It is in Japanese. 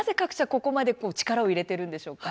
ここまで力を入れているんでしょうか。